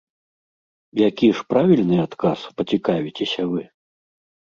Які ж правільны адказ, пацікавіцеся вы?